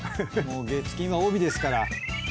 月金は帯ですから。